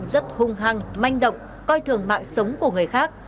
hành vi của các đối tượng rất hăng manh động coi thường mạng sống của người khác